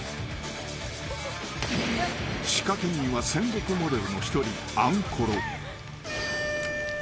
［仕掛け人は専属モデルの一人あんころ］